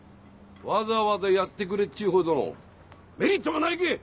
わざわざやってくれっちゅうほどのメリットがないけぇ！